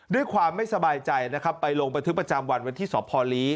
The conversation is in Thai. ด้วยความไม่สบายใจไปลงประทึกประจำวันวันที่สพล